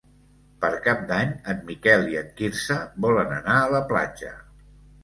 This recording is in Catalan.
Per Cap d'Any en Miquel i en Quirze volen anar a la platja.